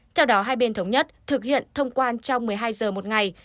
theo đó hai bên thống nhất thực hiện thông quan trong một mươi hai giờ một ngày